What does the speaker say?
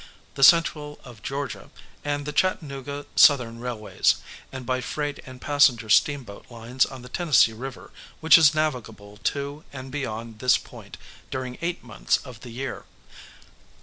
the Central of Georgia, and the Chattanooga Southern railways, and by freight and passenger steamboat lines on the Tennessee river, which is navigable to and beyond this point during eight months of the year.